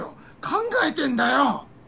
考えてんだよ。